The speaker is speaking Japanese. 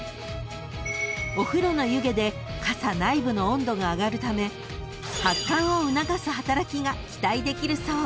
［お風呂の湯気で傘内部の温度が上がるため発汗を促す働きが期待できるそう］